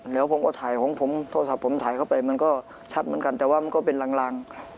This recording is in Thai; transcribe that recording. เดี๋ยวผมก็ถ่ายของผมโทรศัพท์ผมถ่ายเข้าไปมันก็ชัดเหมือนกันแต่ว่ามันก็เป็นลาง